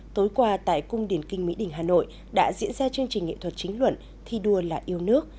tối qua tại cung điển kinh mỹ đình hà nội đã diễn ra chương trình nghệ thuật chính luận thi đua là yêu nước